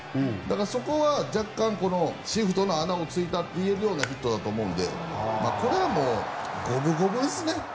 そこは若干シフトの穴を突いたようなヒットだと思うのでこれは五分五分ですね。